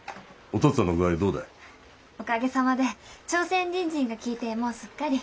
おかげさまで朝鮮人参が効いてもうすっかり。